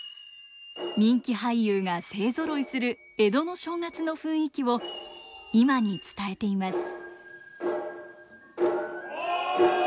人気俳優が勢ぞろいする江戸の正月の雰囲気を今に伝えています。